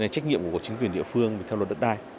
trách nhiệm của chính quyền địa phương theo luật đất đai